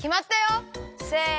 せの！